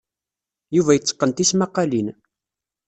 Yuba yetteqqen tismaqqalin.